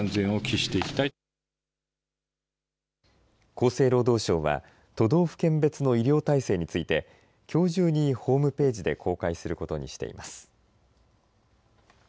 厚生労働省は都道府県別の医療体制についてきょう中にホームページで公開することにしています。